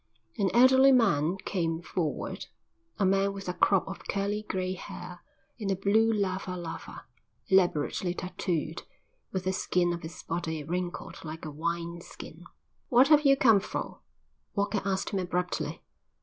An elderly man came forward, a man with a crop of curly grey hair, in a blue lava lava, elaborately tatooed, with the skin of his body wrinkled like a wine skin. "What have you come for?" Walker asked him abruptly.